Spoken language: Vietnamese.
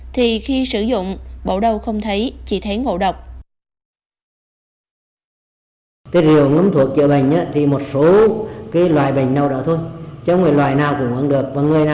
thì khi sử dụng bổ đầu không thấy chỉ thấy ngộ độc